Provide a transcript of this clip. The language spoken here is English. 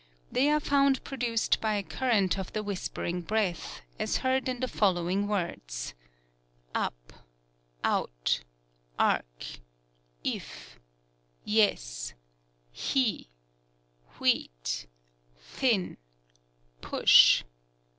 They are found produced by a current of the whispering breath, as heard in the following words : JJ p, ou tf, ar &, if yes 7i e, w7i eat, /7t in, push.